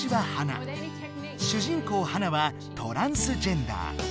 こうハナはトランスジェンダー。